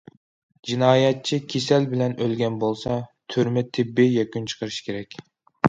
جىنايەتچى كېسەل بىلەن ئۆلگەن بولسا، تۈرمە تېببىي يەكۈن چىقىرىشى كېرەك.